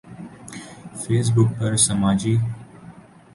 face بک پر سماجی